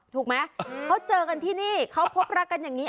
ถูกไหมเขาเจอกันที่นี่เขาพบรักกันอย่างนี้